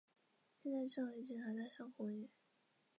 桥式底盘和箱形结构形成一个自承式的单元。